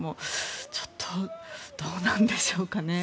ちょっとどうなんでしょうかね。